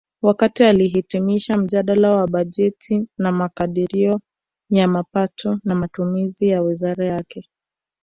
Wakati akihitimisha mjadala wa bajeti wa makadirio ya mapato na matumizi ya wizara yake